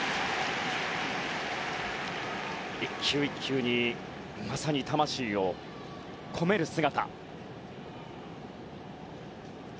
１球１球にまさに魂を込める姿。